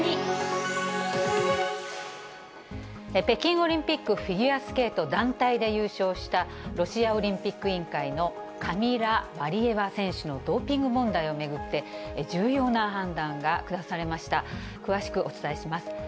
北京オリンピック、フィギュアスケート団体で優勝したロシアオリンピック委員会のカミラ・ワリエワ選手のドーピング問題を巡って、重要な判断が下されました。